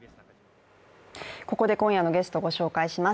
ここで今夜のゲストをご紹介します。